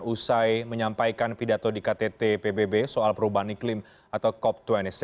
usai menyampaikan pidato di ktt pbb soal perubahan iklim atau cop dua puluh enam